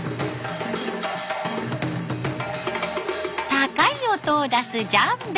高い音を出すジャンベが２つ。